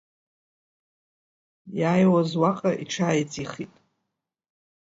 Иааиуаз уаҟа иҽааиҵихит.